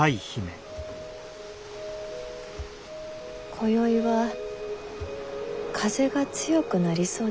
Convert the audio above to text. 今宵は風が強くなりそうですね。